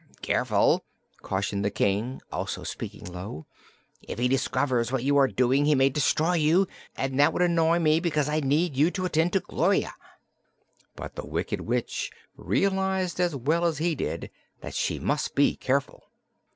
"Careful!" cautioned the King, also speaking low. "If he discovers what you are doing he may destroy you, and that would annoy me because I need you to attend to Gloria." But the Wicked Witch realized as well as he did that she must be careful.